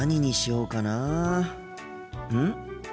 うん？